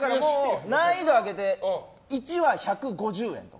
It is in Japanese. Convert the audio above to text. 難易度あげて、１は１５０円